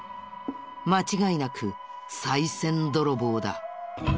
間違いなくさい銭泥棒だ。